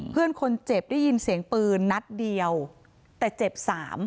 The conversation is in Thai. เพื่อนคนเจ็บได้ยินเสียงปืนนัดเดียวแต่เจ็บสาม